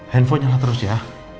handphone nyala terus ya